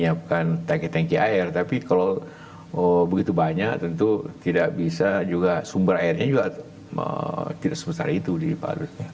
menyiapkan tanki tanki air tapi kalau begitu banyak tentu tidak bisa juga sumber airnya juga tidak sebesar itu di palunya